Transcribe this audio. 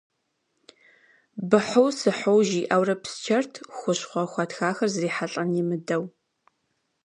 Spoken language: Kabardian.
Быхьу-сыхьу жиӏэурэ псчэрт, хущхъуэ хуатхахэр зрихьэлӏэн имыдэу.